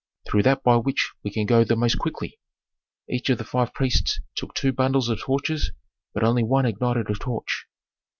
"Through that by which we can go the most quickly." Each of five priests took two bundles of torches, but only one ignited a torch.